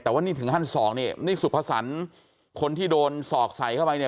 แต่ว่านี่ถึงขั้นสองนี่นี่สุภสรรค์คนที่โดนสอกใส่เข้าไปเนี่ย